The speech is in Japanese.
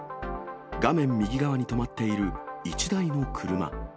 画面右側に止まっている１台の車。